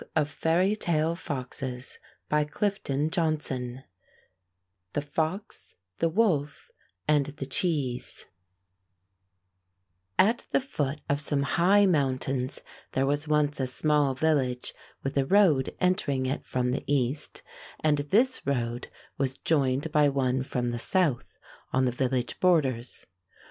7 * 1 i THE FOX, THE WOLF, AND THE CHEESE THE FOX, THE WOLF, AND THE CHEESE T the foot of some high mountains there was once a small village with a road entering it from the east, and this road was joined by one from the south on the vil lage borders.